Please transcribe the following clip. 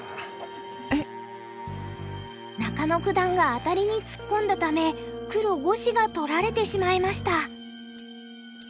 中野九段がアタリにつっこんだため黒５子が取られてしまいました。